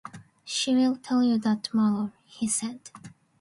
“She will tell you that tomorrow,” he said.